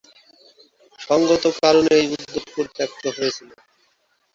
সঙ্গত কারণে এই উদ্যোগ পরিত্যক্ত হয়েছিলো।